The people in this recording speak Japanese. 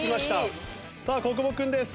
さあ小久保君です。